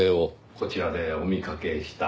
こちらでお見かけした。